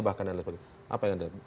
bahkan ada seperti apa yang anda lihat